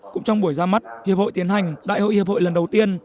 cũng trong buổi ra mắt hiệp hội tiến hành đại hội hiệp hội lần đầu tiên